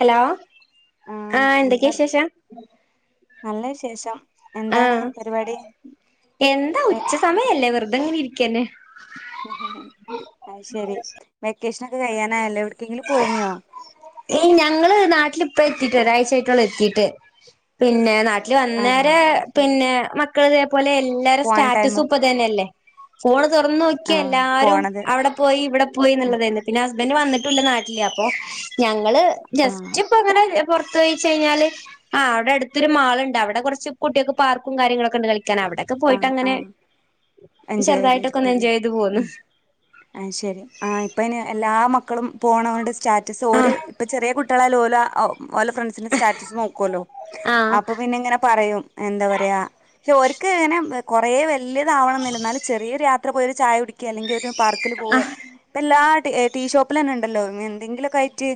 Hello ആ ആഹ് എന്താ എന്തൊക്കെയാ വിശേഷം നല്ല വിശേഷം എന്താണ് ആഹ് പരുപാടി എഹ് സമയമല്ലേ വെർതെങ്ങനെ ഇരിക്കെന്നെ ആയി ശെരി വെക്കേഷനൊക്കെ കഴിയാനാല്ലോ എവിടക്കെങ്കിലും പോയിനോ എഹ് ഞങ്ങള് നാട്ടിലിപ്പ എത്തിട്ട് ഒരാഴ്ച ആയിട്ടോള്ളു എത്തിട്ട് പിന്നെ നാട്ടില് ആഹ് വന്നേര അത് ശരി പിന്നെ മക്കൾ ഇതേപോലെ എല്ലാരെ പോവാൻ ടൈം സ്റ്റാറ്റസൂപ്പ് - ഇതാന്നല്ലേ ഫോണ് തുറന്ന് നോക്കിയാ ആഹ് എല്ലാരും പോണത് അവിടെ പോയി ഇവിടെ പോയി എന്നുള്ളതല്ലെ പിന്നെ ഹസ്ബൻഡ് വന്നിട്ടുല്ല നാട്ടില് അപ്പോ ഞങ്ങള് ജസ്റ്റ്- ആഹ് ഇപ്പ അങ്ങനെ പോർത്തു പോയിച്ചഴിഞ്ഞാല് ആഹ് അവിടെ അടുത്തൊരു മാളിണ്ട് അവിടെ കൊറച്ച് കുട്ടിക്ക് പാർക്കും കാര്യങ്ങളൊക്കെ ഇണ്ട് കളിക്കാനവിടെ ഒക്കെ ആഹ് പോയിട്ടങ്ങനെ ആഹ് ചെറുതായിട്ടൊക്കെ ഒന്ന് എൻജോയ് ചെയ്ത് പോന്നു ആഹ് ശെരി ആ ഇപ്പ ഇന് എല്ലാ മക്കളും പോണകൊണ്ട് സ്റ്റാറ്റസ് ഓര് ആഹ് ഇപ്പ ചെറിയ കു- ട്ടികളല് ഓലെ ഓല ഫ്രണ്ട്സിന്റെ സ്റ്റാറ്റസ് നോക്കുല്ലോ അപ്പ പിന്നെ ഇങ്ങനെ പറയും എന്താ പറയാ ഓർ - ക്ക് ഇങ്ങനെ കുറേ വല്യതാവണന്നില്ല എന്നാലും ചെറിയൊരു യാത്ര പോയി ഒരു ചായ കുടിക്കി അല്ലെങ്കിൽ ഒരു പാർ- ക്കില് പോവേ ആഹ് ഇപ്പ എല്ലാ ടീ ടീ ഷോപ്പിലന്നെ ഇണ്ടല്ലോ എന്തെങ്കിലുക്കെ ആയിറ്റ്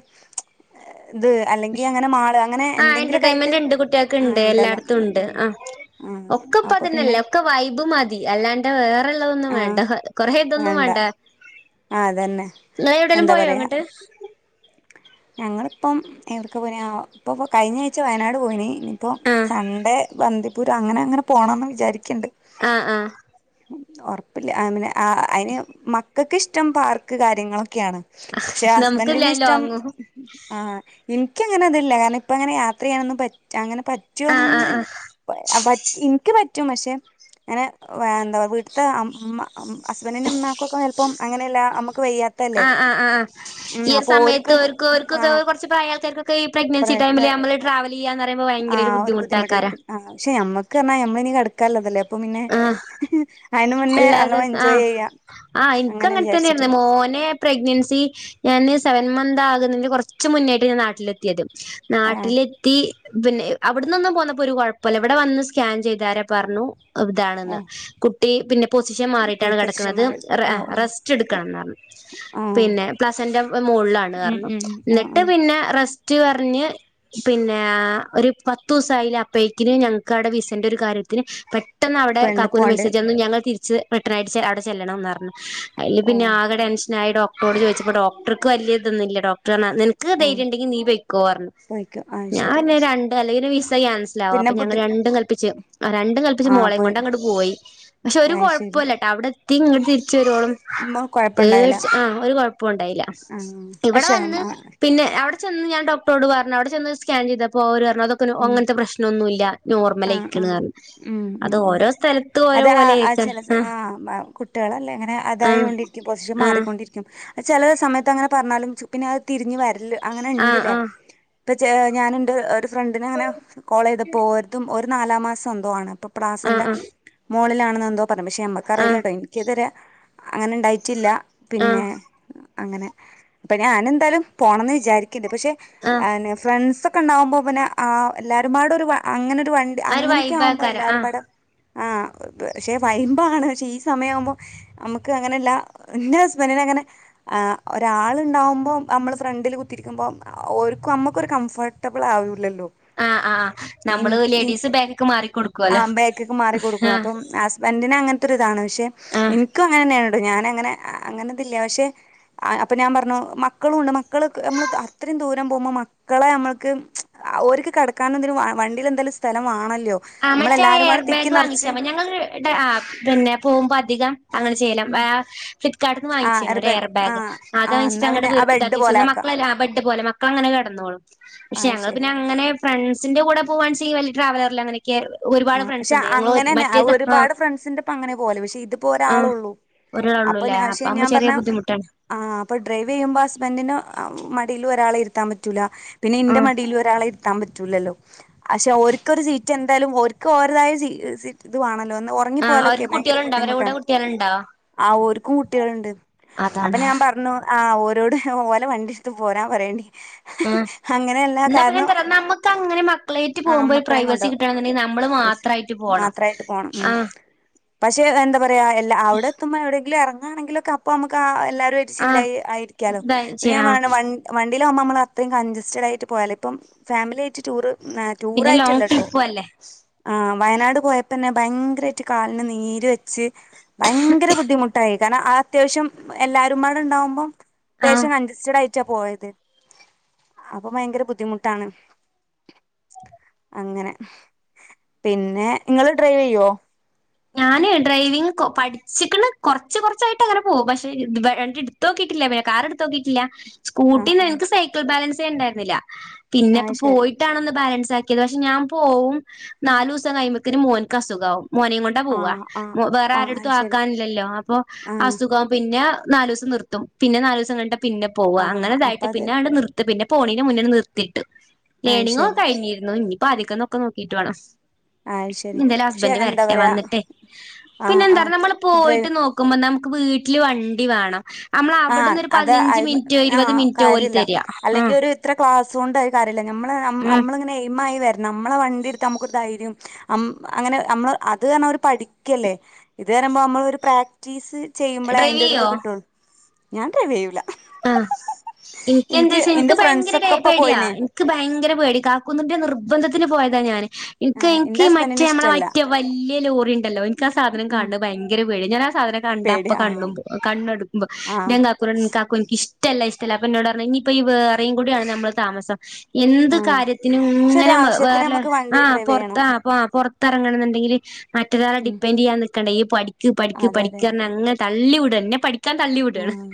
ഇത് അല്ലെങ്കിൽ അങ്ങനെ മാള് അങ്ങനെ ആഹ് എന്തെങ്കിലുമൊക്കെ ആയിട്ട് എന്റർടൈൻമെന്റ് ഇണ്ട് കുട്ടിയാക്ക് ആ ഇണ്ട് ഉണ്ടല്ലോ എല്ലായിടത്തും ഉണ്ട് ഉം ആഹ് ഉം ഒക്കെ ആ പ- അപ്പൊ പിന്നെ ക്കുന്നില്ല ഒക്കെ വൈബ് മതി അല്ലാണ്ട് വേറെള്ളതൊന്നും ആഹ് വേണ്ട കൊറെ ഇതൊന്നും വേണ്ട ആഹ് അതന്നെ നിങ്ങള് എവിടേലും എന്താ പോയോ പറയാ അങ്ങട്ട് ഞങ്ങളിപ്പം എവിടെക്ക് പോയിനാ ഇപ്പപ്പം കഴിഞ്ഞ ആഴ്ച വയനാട് പോയിന് ഇനിപ്പോ ആഹ് സൺഡേ വന്ദിപ്പൂര് അങ്ങനെ അങ്ങനെ പോണന്ന് വിചാരിക്കിണ്ട് ആഹ് ആഹ് ഒർപ്പില്ല്യ ആ പിന്നെ ആ അയിന് മക്കക്ക് ഇഷ്ടം പാർക്ക് കാര്യങ്ങളൊക്കെയാണ് ക്ഷെ നമുക്കില്ല ഹസ്ബന്റിന് ഇഷ്ടം ലോങ്ങും ആഹ് എനിക്കങ്ങനെ അതില്ല കാരണം ഇപ്പം അങ്ങനെ യാത്ര ചെയ്യാന് ഒന്നും പറ്റില്ല അങ്ങനെ ആഹ് ആഹ് ആഹ് പറ്റുവോന്നൊന്നല്ലേ ഇനിക്ക് പറ്റും പക്ഷെ അങ്ങനെ എന്താ പറ വീട്ടത്തെ അമ്മ ഹസ്ബന്റിന്റെ ഉമാക്കൊക്കെ ചിലപ്പം അങ്ങനെയല്ല നമ്മുക്ക് വയ്യാ ആഹ് ആഹ് ആഹ് ഈ ഒരു സമയത്ത് ഓർക്ക് ഒരു ആ ഓൽക്കൊക്കെ കുറെ പ്രായക്കാർക്കെ ഈ പ്രഗ്നൻസി പറയുമ്പോ ടൈമില് നമ്മള് ട്രാവൽ ച്ചെയന്ന് പറുമ്പോ ഭയങ്കര ബുദ്ധിമുട്ട് ആക്കാരാണ് ആഹ് പക്ഷെ നമ്മുക്ക് പറഞ്ഞാ നമ്മള് ഇ കട ക്കാള്ളതല്ലേ അപ്പൊ പിന്നെ ആഹ് അയ്ന് മുന്നേ നല്ലോ എൻജോയ് ചെയ്യാ ആ ഇൻക്ക് അങ്ങൻ തന്നേര്ന്ന് മോനെ പ്രഗ്നൻസി ഞാന് സെവൻ മന്ത് ആകുന്നതിന് കൊറച്ച് മുന്നേട്ട് ഞാൻ നാട്ടിലെത്തിയത് ആഹ് നാട്ടില് ത്തി പിന്നെ അവിടന്നൊന്നും പോന്നപ്പോ ഒരു കുഴപ്പല്ല ഇവിടെ വന്ന് സ്കാൻ ചെയ്താര പറഞ്ഞു അവ് ഓ താണെന്ന് കുട്ടി പിന്നെ പൊസിഷൻ പൊ മാറിട്ടാണ് പൊസിഷൻ കിടക്കണത് മാറി റെ ഓ ഓ റെസ്റ്റ് എടുക്കണം ന്നർഞ്ഞു ആഹ് പിന്നെ പ്ലസന്റ് വ് ഉം മോൾലാണ്ർഞ്ഞു ഉം ആഹ് ന്നിട്ട് ആഹ് പിന്നെ റെസ്റ്റ് പറഞ്ഞ് പിന്നേ ഒരു പത്തുസായ്ല അപ്പയ്ക്കിന് ഞങ്ങ്ക്ക് അവ്ടെ വിസന്റെ ഒരു കാര്യത്തിന് പെട് പെട്ടെന്ന് അവിടെ പെണ്ണ് കാക്കൂന് പോണ്ട് മെസേജന്നു ഞങ്ങൾ തിരിച്ച് റിട്ടൺ അടിച്ച് അവിടെ ചെല്ലണംന്നർഞ്ഞു അയ്ല് ഓ പിന്നെ ആകെ ടെൻഷനായി ഡോക്ടറോട് ചോദിച്ചപ്പോ ഡോക്ടർക്ക് വല്ല്യതൊന്നില്ല ഡോക്ടറ് ർഞ് നിൻ ക്ക് ആഹ് തൈര്യണ്ടെങ്കി നീ പെയ്ക്കോർഞ്ഞു പോയിക്കോ ആഹ് ഞാൻ ശരി പർഞ് രണ്ട് അല്ലെങ്കിൽ ഒരു വിസകേൻസി ലാവും പിന്നെ അപ്പൊ ഞങ്ങള് ബുദ്ധി രണ്ടും കൽപ്പിച്ച് ആ രണ്ടും കൽ പക്ഷെ ആഹ് മോളെയും പോയി കൊണ്ട് അങ്ങട്ട് പോയി പക്ഷെ ഒരു ആഹ് ശരി കുഴപ്പൊല്ലട്ടോ അവ്ടെത്തി ഇങ്ങട്ട് തിരിച്ച് വരോളം ഉം കൊഴപ്പണ്ടായില്ല പേട്ച്ച് ആ ഒരു കുഴപ്പം ഉണ്ടായില്ല ആഹ് ഇവിടെ പക്ഷെ വന്ന് പിന്നെ അവ്ട് ചെന്ന് ഞാൻ ഡോക്ട്ട റോട് പറഞ് അവ്ടെചെന്ന് സ്കാൻ ചെയതപ്പോ ഓരർഞ്ഞു അതൊക്ക ഉം അങ്ങൻത്തെ പ്രശ്നൊന്നുല്ല ആഹ് നോർമലയിക്കണ് ആഹ് ർഞ്ഞു ഉം ഉം ഉം അത് ആ ആ ആയിരിക്കും ചെല സ ആ മ കുട്ട് കുട്ട്യാളല്ലേ അങ്ങനെ ആ അതായോണ്ടിരിക്കും പൊസിഷൻ ആ മാറിക്കൊണ്ടിരിക്കും ചെല സമയത്ത് അങ്ങനെ പറഞ്ഞാലും ച് പിന്നെ അത് തിരിഞ്ഞ് വരല് അങ്ങനെ ആ ണ്ട്ലേ ആ ഇപ്പ ചെ ഞാന് ണ്ട് ഒരു ഫ്രണ്ടിന് അങ്ങനെ കോളെയ്തപ്പോ ഓര്തും ഓര് നാലാം മാസം എന്തോ ആണ് അപ്പം ആ ആ പ്ലാസന്റ മോളിലാണ് ന്ന് എന്തോ പറണ് പക്ഷെ ആ ആ ആ നമ്മക്കറിയില്ല ട്ടോ ഇനി ഇക്ക്തരെ അങ്ങനെ ണ്ടായ്റ്റില്ല പിന്നെ അങ്ങനെ അപ്പം ഞാൻ എന്തായാലും പോണംന്ന് വിചാരിക്കണ്ട് പക്ഷെ ആ ഫ്രണ്ട്സ്ക്കെ ക്കെ ഉണ്ടാവുമ്പോ പിന്നെ ആ എല്ലാരുംപാടെ ഒരു അങ്ങനെൊരു വണ്ടി ആ ഒരു അങ്ങനെയൊക്കെ ആവുമ്പോ വൈബാക്കാരം ആ എല്ലാരുംപാടെ ആ പക്ഷെ വൈബാണ് പക്ഷെ ഈ സമയാവുമ്പോ നമുക്ക് അങ്ങനെയല്ല എന്റെ ഹസ്ബൻറിന് അങ്ങനെ ആ ഒരാളുണ്ടാവുമ്പോമ് അമ്മള് ഫ്രണ്ടില് കുത്തിരിക്കുമ്പോമ് ഓര്ക്കും അമ്മുക്കൊരു കംഫർട്ടബിൾ ആവൂലല്ലോ ആ ആ നമ്മള് ലേഡീസ് ബേക്ക്ക്ക് മാറിക്കൊടുക്കും ആ ബേക്ക്ക്ക് മാറി കൊടുക്കും അപ്പം ഹസ്ബന്റി ന് അങ്ങൻത്തൊര്താണ് പക്ഷെ ആഹ് ഇൻക്കും അങ്ങനെന്നെയാണ് പ്പ ഞാന് അങ്ങനെ അങ്ങനെത് ല്ല്യ പക്ഷെ അപ്പൊ ഞാൻ പർഞ്ഞു മക്കളുംണ്ട് മക്കള് ക് അമ്ള് അത്ത്റിം ദൂരം പോകുമ്പോ മ മക്കളെ നമ്മക്ക് ഓര്ക്ക് കട്ക്കാനും തിനും വണ്ടില്ന്തായാലും സ്ഥലം വാണല്ലോ ആ മറ്റേ എയർ നമ്മളെല്ലാരുംപാടെ തിക്കി ബാഗ് നറച്ച് വാങ്ങിച്ചാ മതി ഞങ്ങള് ടെ ആ പിന്നെ പോകുമ്പ അധികം അങ്ങനെ ചെയ്യല ആ ഫ്ലിപ്പ്കാർട്ട്ന്ന് വാങ്ങിച്ചീര്ന്ന് ഒരു എയർ ബാഗ് അത് ആ വാങ്ങിച്ചിട്ട് എന്നാ അങ്ങട്ട് പിന്നെ ആ വീർപ്പിച്ച് ബെഡ് താക്കിച്ചു പോലെ ന്നാ ആക്കാം മക്കളത് ലാഭയ് പോലെ മക്കള ങ്ങനെ കെട്ന്നോളും പക്ഷെ ആ ഞങ്ങൾ ശരി പിന്നെ അങ്ങനെ ഫ്രണ്ട്സിന്റെ കൂടെ പോവാണ് ചെങ്കി വല്ല്യ ട്രാവലറില് അങ്ങനൊക്കെ [unintelligible] ആ പക്ഷെ അങ്ങനെന്നെ ആഹ് ഒരുപാട് ഫ്രണ്ട്സിന്റൊപ്പം അങ്ങനെ പോല് പക്ഷെ ഇതിപ്പോ ഒരാളള്ളൂ ഒരാള്ള്ളു ലേ അപ്പൊമ്മ് ചെറ്യേ ബുദ്ധിമുട്ടാണ് ആ അപ്പൊ ഡ്രൈവ് ചെയ്യുമ്പോ ഹസ്ബൻറിന്റെ മടില് ഒരാളെ ഇര്ത്താൻ പറ്റൂല പിന്നെ ഇന്റെ ആഹ് മടിലും ഒരാളെ ഇര്ത്താൻ പറ്റൂലല്ലോ പക്ഷെ ഓര് ക്കൊരു സീറ്റ് എന്തായാലും ഓര് ക്ക്‌ ഓരതായ ജീ സീ ത് വാണല്ലോ ന്ന ആഹ് ഒർങ്ങിപ്പോയാലൊക്കെ അവർക്ക് ഭയങ്കര കുട്ടികളുണ്ടോ അവരെ കൂടെ ബുദ്ധിമുട്ടാണ് കുട്ടികളുണ്ടോ ആ ഓര്ക്കും കുട്ടികളുണ്ട് അപ്പൊ അതാണ് ഞാൻ പറഞ്ഞു ആ ഓരോടു ഓലെ വണ്ടിട്ത്ത് പോരാൻ പറയേണ്ടി ഉ അങ്ങനെയല്ല ഇന്നാ പിന്നെ കാരണം ന്താ അറിയോ നമുക്കങ്ങനെ മക്കളേറ്റ് പോകുമ്പോ ഒര് പ്രൈവസി കിട്ടെണന്നുണ്ടെങ്കി ന ഡ്രസ്സ്‌ മാത്രായിട്ട് പോണം ഉം ആഹ് പക്ഷെ എന്താ പറയാ എല്ല അവിടെ എത്തുമ്പോ എവിടെയങ്കിലുംഎറങ്ങാണെങ്കിലൊക്കെ അപ്പൊ നമുക്ക് എല്ലാരും ആഹ് ചില്ലായി ആയിരിക്കാലോ ഇതാ പിന്നെ ഞാൻ ചെയ്യാ പറഞ്ഞു വൺ വണ്ടിയിലാവുമ്പോ നമ്മൾ അത്രയും കഞ്ജസ്റ്റഡായിട്ട് പോയാലോ ഇപ്പം ഫാമിലി ആയിട്ട് ടൂറ് പിന്നെ ലോങ്ങ് ടൂറായിട്ടല്ലട്ടോ ട്രിപ്പു അല്ലേ ആ വയനാട് പോയപ്പോന്നെ ഭയങ്കരായിട്ട് കാലിന് നീര് വെ ച്ച് ഭയങ്കര ബുദ്ധിമുട്ടായി കാരണം അ അത്യാവശ്യം എല്ലാരുമ്പാടെ ഉണ്ടാവുമ്പം ആഹ് അത്യാവശ്യം കൺജ സ്റ്റഡായിട്ടാ പോയത് അപ്പൊ ഭയങ്കര ബുദ്ധിമുട്ടാണ് അങ്ങനെ പിന്നെ ഇങ്ങള് ഡ്രൈവ് ചെയ്യോ? ഞാന് ഡ്രൈവിങ് കൊ പഠിച്ചിക്ക്‌ണ് കൊറച്ച് കൊറച്ചായിട്ട് അങ്ങനെ പോവും പക്ഷെ വണ്ടി ഇട് തോക്കിയിട്ടില്ല പിന്നെ കാറ് ഇട്ത്തോക്കിട്ടില്ല ആ സ്കൂട്ടിന്നും ആ എനിക്ക് സൈക്കിൾ ബാലൻസേ ഇണ്ടായിരുന്നില്ല പിന്നെ ആ ഇപ്പൊ ശരി പോയിട്ടാണ് ഒന്ന് ബാലൻസ് ആ ക്കിയത് പക്ഷെ ഞാൻ പോവും നാലൂസം കയുമ്പക്കിന് മോൻക്ക് അസുഖാവും മോനേം കൊൺ ട്ടാ പോവാ ആഹ് ആഹ് വേറെ ആഹ് ആരടുത്തും ശരി ആക്കാനില്ലല്ലോ അപ്പൊ ആഹ് അസുഖം പിന്നെ നാലൂസം നിർത്തും പിന്നെ നാലൂസം കഴിഞ്ഞിട്ട പിന്നെ പോവാ ആഹ് അങ്ങനെ അപ്പ ഇതായിട്ട് അത് പിന്നെ അങ്ങട്ട് നിർ ത്തി പിന്നെ പോണീന്റെ മുന്നണ്ണ് നിർത്തിട്ടു ആഹ് ലേണിങ് ഒക്കെ ശരി കഴിഞ്ഞിരുന്നു ഇനിപ്പാദ്യക്കന്ന് ഒക്കെ നോക്കിട്ട് വേണം ആഹ് ശരി നി എന്തായാലും പക്ഷെ ഹസ്ബന്റ് എന്താ വരട്ടെ പറയാ വന്നിട്ട് പിന്നെ ആഹ് എന്താറിയോ നമ്മള് ആഹ് പോയിട്ട് ഡ്രൈവി നോക്കുമ്പോ നമുക്ക് വീട്ടില് വണ്ടി വേണം അമ്മള് ആഹ് അവിടന്നൊരു അത് പതിനഞ്ച് അയ്മ മിനിറ്റോ ഇരുപത് ആഹ് മിനിറ്റോ ഓല് കാര്യല്ല തരാ ആ അല്ലെങ്കി ഒരു ഇത്ര ക്ലാസ് കൊണ്ട് അഅ് കാര്യല്ല ഉം നമ്മള്മ്മളിങ്ങെനെ എയിമായി വരണം നമ്മളെ വണ്ടി ഇടുത്ത് നമുക്കൊരു ധൈര്യം അം അങ്ങനെ അമ്മള് അത് അറഞ്ഞ അവര് പഠിക്കല്ലേ ഇത് അറയുമ്പോ നമ്മളൊരു പ്രാക്ടീസ് ചെയ്യുമ്പളേ ഡ്രൈവ് അതിൻ്റെ ഒരിത് ചെയ്യോ കിട്ടൊള്ളൂ ഞാൻ ഡ്രൈവ് ചെയ്യൂല്ല ആ ഇനിക്ക് എന്താച്ച ഇനിക്ക് എന്റെ ഭയങ്കര ടെ ഫ്രണ്ട്സൊക്കെ ഇപ്പൊ പേടിയാ പോയിന് ഇൻ ക്ക് ഭയങ്കര പേടി കാക്കുന്നിന്റെ നിർബന്ധത്തിന് പോയതാ ഞാന് ഇൻക്ക് ആഹ് എന്റെ ഇൻക്ക് ഹസ്ബൻഡിന് മറ്റേ നമ്മളെ ഇഷ്ടല്ല മറ്റേ വല്ല്യ ലോറിണ്ടല്ലോ എനിക്ക് ആ സാധനം കാണ് ണത് ഭയങ്കര പേട്യാ ഞാൻ ആ സാധനം കണ്ട പ്പൊ പേടിയാ കണ്ണുമ്പും കണ്ണെടുക്കുമ്പോ ആഹ് ആഹ് [unintelligible] കാക്കൂനോട്‌ പറഞ്ഞു കാക്കോ എനിക്കിഷ്ടല്ല ഇഷ്ടല്ല അപ്പ ഇന്നോട് പറഞ്ഞു ഇനി ഇപ്പ ഈ വേറേം കൂടിയാണ് നമ്മള് താമസം എന്ത് ആഹ് കാര്യത്തിനും പക്ഷെ ഇങ്ങനെ ഒരാവശ്യത്തിന് വേറെല്ലോലെ നമുക്ക് വണ്ടി ആ ഡ്രൈവ് ചെയ്യണം പുറത്താ ആ പൊറത്ത് ത്തറങ്ങണം ന്നുണ്ടെങ്കിൽ മറ്റൊരാളെ ഉം ഡിപ്പെൻറ് ചെയ്യാൻ നിക്കേണ്ടേ ഈ പഠിക്ക് പഠിക്ക് അതെ അതെ പഠിക്കറഞ്ഞ് അങ്ങനെ തള്ളി വിട ഇന്നെ പഠിക്കാൻ തള്ളിവിടാണ് ആഹ്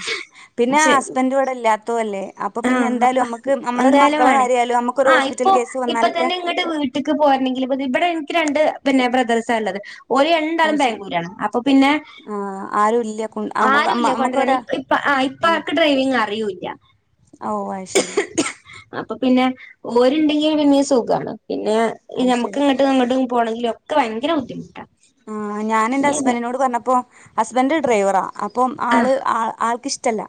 പിന്നെ ഹസ്ബൻഡ് ഇവിടെ ഇല്ലാത്തതു അല്ലേ അപ്പോ പിന്നെ ആഹ് അപ്പ എന്തായാലും നമുക്ക് നമ്മളൊരു എന്തായാലും മക്കളെ വേണേ കാര്യായാലും നമു ക്കൊരു ഹോസ്പിറ്റൽ കേസ് വന്നാലൊക്കെ ഇന്റെ വീട്ടിക്ക് പോരനെങ്കിൽ ഇപ്പൊ ഇത് ഇവിടെ എനിക്ക് രണ്ട് പിന്നെ ബ്രദേഴ്സാ ഉള്ളത് ഓല് അത് രണ്ടാളും ശരി ബാംഗ്ലൂരാണ് അപ്പൊ പിന്നെ ആഹ് ആരും ഇല്ല കൊ നമുക്ക് ആരുല്ല നമുക്ക് കൊണ്ട്രാണ് ഒരാ ഇപ്പ ആ ഇ ഉം പ്പാക്ക് ഡ്രൈവിംഗ് അറിയൂല്ല ഓഹ് അത് ശരി അപ്പൊ പിന്നെ ഓരുണ്ടെങ്കി പിന്നീം സുഖാണ് പിന്നെ ഈ അത് ശരി നമുക്ക്ങ്ങ ട്ടും അങ്ങട്ടും പോണെങ്കിലൊക്കെ ഭയങ്കര ബുദ്ധിമുട്ടാണ് ആ ഞാനെന്റെ ഹസ്ബൻറിിനോട് പറഞ്ഞപ്പോ ഹസ്ബൻറ് ഡ്രൈവറാ അപ്പം ആഹ് ആള് ആൾക്കിഷ് ടല്ല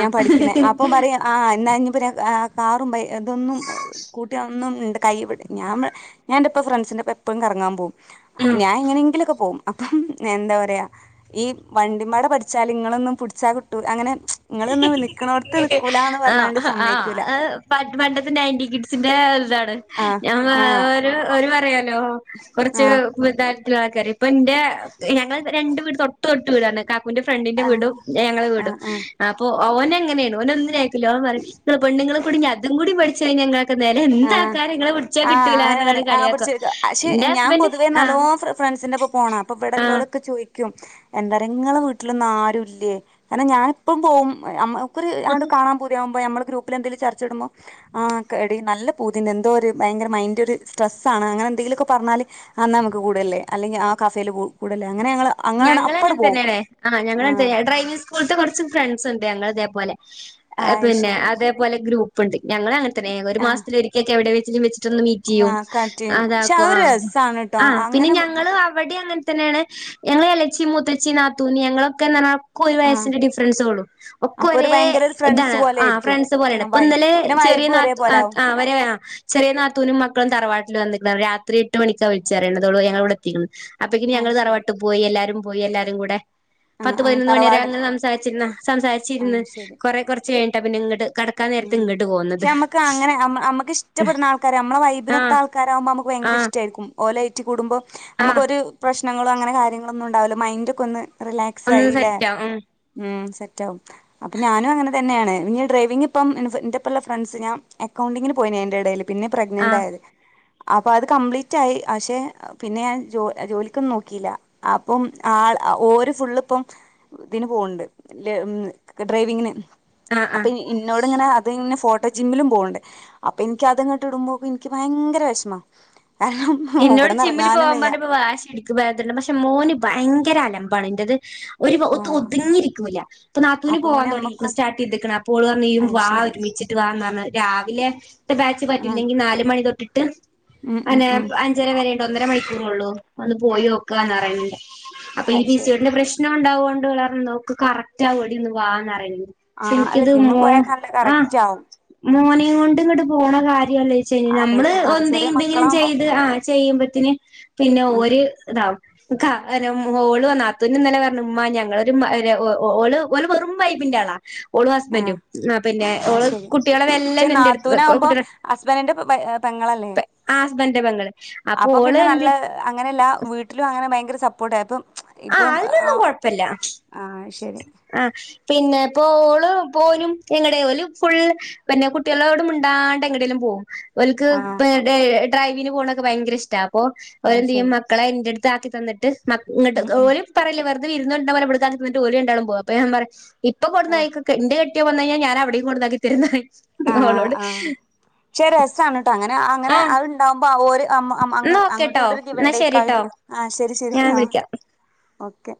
ഞാൻ പഠിക്കണേ അപ്പം പറയാ ആ എന്നാഞ്ഞിപിന്നെ ഏഹ് കാറും ബൈ ഇതൊന്നും സ്കൂട്ടി അഒന്നും ഇണ്ട് കൈ വിട് ഞാ വടെ ഞാന്റെപ്പൊ ഫ്രണ്ട്സിന്റെപ്പം എപ്പഴും കറങ്ങാൻ പോവും ആഹ് ഞാൻ എങ്ങനെങ്കിലൊക്കെ പോവും അപ്പം എന്താ പറയാ ഈ വണ്ടിമ്പാട പഠിച്ചാൽ ഇങ്ങളൊന്നും പുടിച്ചാൽ കിട്ടൂ അങ്ങനെ ഇങ്ങള് ന്ന് വിളിക്കാം ആഹ് ആഹ് അത് പണ്ടത്തെ നയന്റി കിഡ്സിന്റെ ഇതാണ് ആഹ് ഞമ്മളഅ ആഹ് ഒരു ഓര് പറയാലോ കൊർച്ച് ആഹ് [unintelligible] ഇപ്പൊ ന്റെ ഞങ്ങള് രണ്ട് വീട് തൊട്ട്തൊട്ട് വീടാണ് കാക്കുന്റെ ഫ്രണ്ടിന്റെ ആഹ് വീടും ന്നെ ഞങ്ങളെവീടും ആഹ് ആഹ് അപ്പൊ ഓനങ്ങനെണ് ഓനൊന്നിനും അയക്കൂല ഓൻ പറയും ഇങ്ങള് പെണ്ണ്ങ്ങളുംകൂടി അതും കൂടി പഠിച്ച് കഴിഞ്ഞാ ഇങ്ങള് ക്ക്‌ ന്നേലെ ആഹ് എന്താക്കാനാ ഇങ്ങളെ വിളിച്ച ആഹ് കിട്ടൂല അങ്ങനെ പറഞ്ങ്ങാണ്ട് പറയാ ആ കളിയാക്കും പിടിച്ചെടുക്ക പക്ഷെ ന്റെ ഹസ്ബന്റ് ആ പോണപ്പ ആ ഇബട്ല്ലോലൊക്കെ ചോയി ക്കും എന്താറിയോ ങ്ങളെ വീട്ടിലൊന്നും ആരുല്ലേ കാരണം ഞാന്പ്പം പോവും ഞമ്മള് ക്കൊര് ആണ്ട് കാണാപൂതിയാമ്പോ ഞമ്മളെ ഗ്രൂപ്പില് എന്തെലും ചർച്ചടുമ്പോ ആ ക്കെടി നല്ല പൂതിണ്ട് എന്തോഒര് ഭയര മൈൻഡോരു സ്ടെസ്സാണ് അങ്ങനെന്തെങ്കിലൊക്കെ പറഞ്ഞാല് അന്നാ നമ്മക്ക് കൂടല്ലേ അല്ലെങ്കി ആ കഫേല് കു കൂടല്ലേ അങ്ങനെ ഞങ്ങള് അങ്ങനാണ് ഞങ്ങള് അപ്പട് പോവും അങ്ങൻത്തെന്നെണ് ആ ഞങ്ങള് ആഹ് അങ്ങൻത്തെന്നെ ഡ്രൈവിംഗ് സ്കൂൾത്തെ കൊർച്ച് ഫ്രണ്ട്സ്ണ്ട് ഞങ്ങളിതേപോലെ ആഹ് പിന്നെ ശരി അതേപോലെ ഗ്രൂപ്പ്ണ്ട് ഞങ്ങളങ്ങ ത്ത്നെ ഒര് ആഹ് മാസത്തിലൊരിക്കൊക്കെ എവ്ടെ വെച്ച് വെച്ച് റ്റുന്ന് മീറ്റെയ്യും കട്ട് ചെയ്യും പക്ഷെ അതാക്കും അതൊരു ആഹ് രസാണ് ട്ടോ ആഹ് പിന്നെ അങ്ങനെ ഞങ്ങള് അ ഇവ്ടേം അങ്ങൻത്തെന്നെണ് ഞങ്ങള് എളേച്ചി മൂത്തച്ചി നാത്തൂന് ഞങ്ങളൊക്കെ ന്ന്ർഞ്ഞാ ഒര് ആഹ് വയസിന്റെ ഡിഫറൻസൊള്ളു ഒക്കെ അപ്പൊ ഒരു ഒരേ ഭയങ്കര ഒരു ഫ്രണ്ട്സ് ഇതാണ് പോലെ ആ ഫ്രണ്ട്സ് പോലെണ് ഇപ്പൊന്നലെ ചെറിയ നാ പോലാവും [unintelligible] ചെറിയ നാത്തൂനും മക്കളും തറവാട്ടില് വന്നിക്ക്ണ് രാത്രി എട്ട് മണിക്കാ വിളിച്ചറയ്ണത് ഓള് ഞങ്ങള് ഇവ്ടെ എത്തിക്ക്‌ണ് അപ്പക്ക്‌നി ആ ഞങ്ങള് ശരി തറവാട്ട്പോയി എല്ലാരുംപോയി എല്ലാരുംകൂടെ ആ പത്ത് ആ പതിനൊന്ന്മണി വരെ തറവാടൻ അങ്ങനെ സംസാരിച്ചിരുന്ന ആ സംസാരിച്ചിര്ന്ന് ശരി കൊറെ കൊറ ച്ച് കഴിഞ്ഞിട്ടാ പിന്നെ ഇങ്ങട്ട് കെടക്കാൻ നേരത്ത് ഉം ഇങ്ങട്ട് പോ പക്ഷെ ഞമ്മക്കങ്ങനെ ഞമ്മ ഞമ്മക്ക്‌ഷ്ടപ്പെട്ണ ആൾക്കാര് ഞമ്മളെ ആ വൈബിനൊത്താൾക്കാരാവുമ്പോ ഞമ്മക്ക് ആ ഭയങ്കര ഇഷ്ട്ടെര്ക്കും ഓലായ്റ്റ് കുടുംബം ആ നമ്മക്കൊര് പ്രശ്നങ്ങളോ അങ്ങനെ കാര്യങ്ങളൊന്നുണ്ടാവൂല്ല മൈന്റൊക്കൊന്ന് ഒന്ന് റിലാക്സായിലേ സെറ്റാവും ഉം ഉം സെറ്റാവും അപ്പം ഞാനും അങ്ങൻത്തെന്നെണ് ഞ്ഞി ഡ്രൈവിംങ്ങ് ഇപ്പം ന്റെപ്പള്ള ഫ്രണ്ട്സ് ഞാൻ അക്കൗണ്ടിങ്ങിന് പോയിന് അയ്ന്റെടെല് പിന്നെ ആ പ്രഗ്നെന്റായത് അപ്പൊ അത് കംപ്ലീറ്റ് ആയി അഷേ പിന്നെ ഞാൻ ജോ ജോലിക്കൊന്നും നോക്കില്ല അപ്പം ആൾ ഓര് ഫുള്ള്പ്പം ഇതിന് പോണ്ട് ല് ഡ്രൈവിങ്ങിന് ആ ആ അപ്പ ഈ ന്നോട്ങ്ങനെ അത്ങ്ങനെ ഫോട്ടോ ജിമ്മിലും പോവ്ണ്ട് അപ്പ ഇൻക്ക് അതങ്ങട്ട് ഇട്മ്പോക്ക്‌ ഇൻക്ക് ഭയങ്കര വെഷ്മാ ഇന്നോട് ജിമ്മില് പോവാൻ പറഞ്ഞപ്പ വാശിടിക്കും [unintelligible] പക്ഷെ മോന് ഭയങ്കര അലമ്പാണ് ഇന്റത് ഒരു ഒതു ആഹ് ഒതുങ്ങിരിക്കൂല അപ്പൊ നാത്തൂന് പോവാൻ പിന്നെ തൊടങ്ങിക്ക്‌ണ് അമ്മക്കും സ്റ്റാർട്ടെയ്ത്ക്ക്ണ് ‌ അപ്പോള് പറഞ് അത് യ്യുംവാ ശരി ഒര്മിച്ചിട്ട് വാ ന്ന്ർഞ് രാവിലെ ത്തെ ബാച്ച് ആഹ് പറ്റില്ലെങ്കി നാല്മണി തൊട്ട്ട്ട് ഉം ഉം ഉം അഞ്ചരവെരെണ്ട് ഒന്നര മണിക്കൂറൊള്ളൂ ഒന്ന് പോയി നോക്കാന്ന്റിയ്ണ്ട് അപ്പൊ ഈ അത് പി സി ശരി ഓഡിന്റെ പ്രശ് പ്രശ്നം ണ്ടാവോണ്ട് ഓര് പറഞ് നോക്ക് കറക്റ്റാവെടി ഒന്ന് വാന്നറയ് ആഹ് അല്ല എനിക്കിത് ജിമ്മ് മോ പോയാൽ നല്ല ആ കറക്റ്റ് ആവും ഉം മോനെങൊണ്ട് ങ്ങട്ട് പോണ കാര്യാലോ ശെരി ഞമ്മള് ആലോചിക്കും ആ ഒന്ത് ചെറിയ ന്തെങ്കിലും മക്കളാകുമ്പോ ചെയ്ത് ആ ചെയ്യുമ്പത്തിന് പിന്നെ ഉം ഓര് താവും ക്ക അല്ല മോളുവന്നാ നാത്തൂനിന്നലെ പർഞ് മ്മാ ഞങ്ങളൊരു മ രാ ഒ ഓ ഓള് ഓള് വെറും വൈബിന്റാളാ ഓളും ഹസ്ബന്റും ആഹ് പിന്നെ അത് ഓള് ശരി പക്ഷെ കുട്ടികളെവെല്ലെനെ ന്റെട്ത്ത് വെക്കും നാത്തൂനാവുമ്പോ കുട്ട്യാള് ഹസ്ബൻഡിന്റെ പെങ്ങളല്ലേ? അപ്പൊ അപ്പ ഓള് പിന്നെ നല്ല എന്ത് അങ്ങനല്ല വീട്ട്ലും ആള് അങ്ങനെ ഭയങ്കര സപ്പോർട്ടായപ്പം. ആ ഇപ്പം അതിനൊന്നും ആഹ് ആഹ് ശെരി. ആഹ് പിന്നെ പ്പഓള് പ്പോനും ഞങ്ങടെ ഓല് ഫുള്ള് പിന്നെ കുട്ടികളോട് മുണ്ടാണ്ട് എങ്ങടേലും പോകും. ഓൽക്ക് ആഹ് പ്പ ടെ ഡ്രൈവിന് പോണക്കെ ഭയങ്കര ഇഷ്ട്ടാ അപ്പൊ അത് ഓരെന്ത്യ്യും? ശരി മക്കളെ ഇൻറട്ത്ത് ആക്കി തന്നിട്ട് മ ഇങ്ങട്ട് ഉം ഉം ഓല് പറയില്ല വെറുതെ ഇരന്ന്ണ്ടട് ഉണ്ടും ഓല് രണ്ടാളും പോകും അപ്പഞാൻ പറയും ഇപ്പ ആഹ് കൊണ്ടുവന്ന എന്റെ കെട്ട്യോൻ വന്നഴിഞ്ഞാ ഞാനവിടേയും കൊണ്ടുന്നാക്കി തരോന്നറയും ആ ആ പക്ഷെ രസമാണ് കേട്ടാ അങ്ങനെ അങ്ങനെ ആ അതുണ്ടാകുമ്പോൾ ആ ഒരു അ അ എന്നാ അങ്ങോട്ട് ഓക്കെട്ടോ കൊണ്ടൊരു ഗ എന്നാ ഇവൻണ്ടേക്കായി ശരിട്ടോ ആ ശരി ശരി ഞാൻ ആ വിളിക്കാം ഓക്കെ